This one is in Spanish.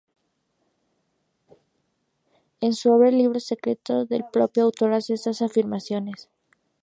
En su obra "El Libro Secreto" el propio autor hace estas afirmaciones.